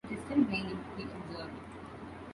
"It is still raining," he observed.